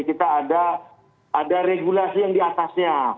kita ada regulasi yang diatasnya